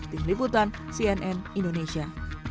tim liputan cnn indonesia